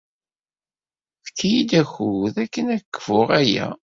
Efk-iyi-d akud akken ad kfuɣ aya.